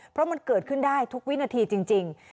เพราะมันเกิดขึ้นได้ทุกวินาทีจริง